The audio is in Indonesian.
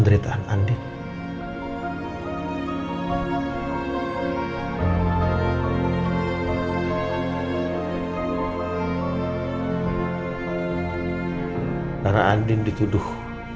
dia sudah jatuh